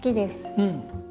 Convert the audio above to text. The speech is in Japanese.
うん。